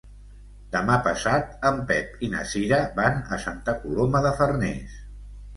Demà passat en Pep i na Cira van a Santa Coloma de Farners.